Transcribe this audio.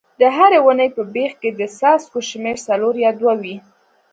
د هرې ونې په بیخ کې د څاڅکو شمېر څلور یا دوه وي.